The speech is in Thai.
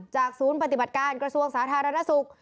ศูนย์ปฏิบัติการกระทรวงสาธารณสุข